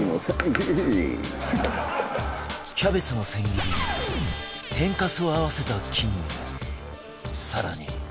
キャベツの千切りに天かすを合わせたキングは更に